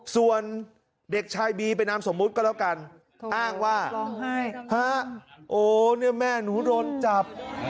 ส่วนเด็กชายบีไปนามสมมุติก็แล้วกันอ้างว่าร้องไห้ฮะโอ้เนี่ยแม่หนูโดนจับ